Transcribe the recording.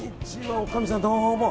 おかみさん、どうも。